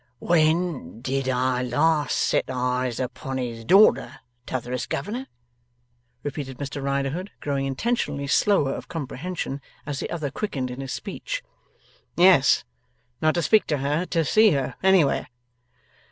'When did I last set eyes upon his daughter, T'otherest Governor?' repeated Mr Riderhood, growing intentionally slower of comprehension as the other quickened in his speech. 'Yes. Not to speak to her. To see her anywhere?